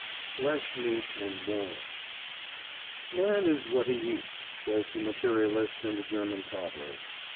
FLESH MEAT AND MORALS "Man is what he eats," says the materialist in the German proverb.